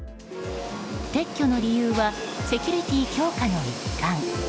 撤去の理由はセキュリティー強化の一環。